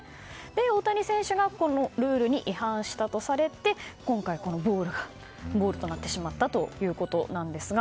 大谷選手がこのルールに違反したとされて今回、ボールとなってしまったということなんですが。